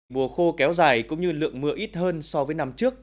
mùa khô kéo dài cũng như lượng mưa ít hơn so với năm trước